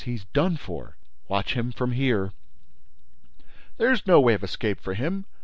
He's done for—" "Watch him from here." "There's no way of escape for him.